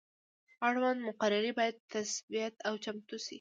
اړونده مقررې باید تثبیت او چمتو شي.